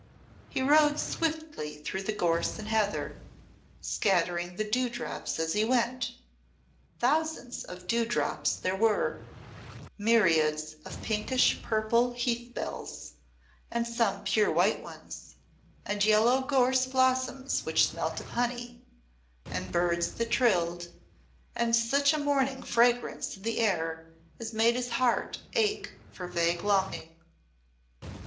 He rode swiftly through the gorse and heather, scattering the dewdrops as he went, thousands of dewdrops there were, myriads of pinkish purple heath bells, and some pure white ones, and yellow gorse blossoms which smelt of honey, and birds that trilled, and such a morning fragrance in the air as made his heart ache for vague longing.